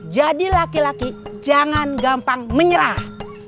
jadi laki laki jangan gampang menyerah